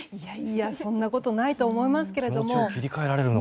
そんなことはないと思いますけれども。